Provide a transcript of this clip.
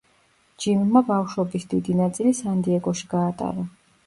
ჯიმმა ბავშვობის დიდი ნაწილი სან-დიეგოში გაატარა.